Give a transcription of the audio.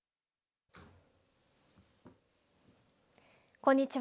こんにちは。